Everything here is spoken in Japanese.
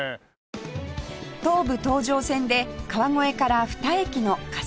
東武東上線で川越から２駅の霞ケ関